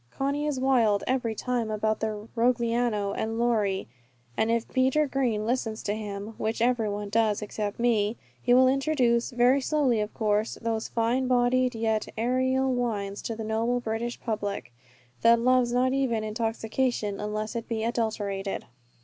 Conny is wild every time about the Rogliano and Luri; and if Peter Green listens to him which every one does, except me he will introduce, very slowly of course, those fine bodied yet aerial wines to the noble British public, that loves not even intoxication, unless it be adulterated.